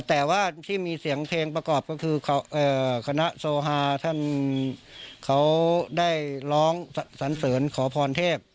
แต่ว่าที่มีเสียงเพลงประกอบก็คือคณะโซฮาท่านเขาได้ร้องสันเสริญขอพรเทพ